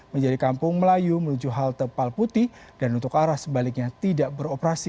menjadi kampung melayu menuju halte palputi dan untuk arah sebaliknya tidak beroperasi